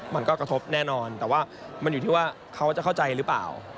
มันก็กระทบแน่นอนแต่ว่ามันอยู่ที่ว่าเขาจะเข้าใจหรือเปล่า